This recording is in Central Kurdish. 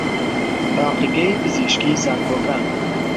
تاقیگەکەی پزیشکیی زانکۆکان